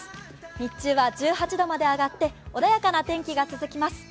日中は１８度まで上がって穏やかな天気が続きます。